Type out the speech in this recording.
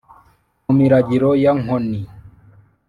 mu miragiro ya nkoni